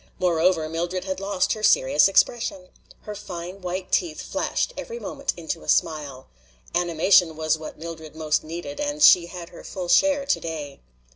Moreover, Mildred had lost her serious expression. Her fine white teeth flashed every moment into a smile. Animation was what Mildred most needed and she had her full share today.